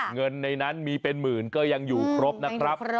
เงินในนั้นมีเป็นหมื่นก็ยังอยู่ครบนะครับ